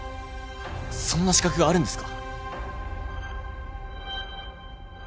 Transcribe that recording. そんな資格があるんですか？